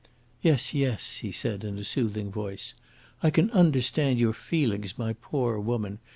"Yes, yes," he said, in a soothing voice. "I can understand your feelings, my poor woman.